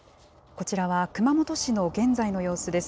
こちらは熊本市の現在の様子です。